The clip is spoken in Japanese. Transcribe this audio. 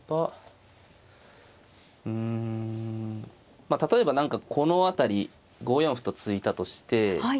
うん例えば何かこの辺り５四歩と突いたとして。